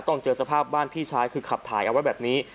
เจอสภาพบ้านพี่ชายคือขับถ่ายเอาไว้แบบนี้